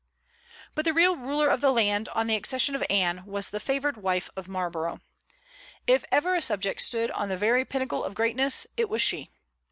But the real ruler of the land, on the accession of Anne, was the favored wife of Marlborough. If ever a subject stood on the very pinnacle of greatness, it was she.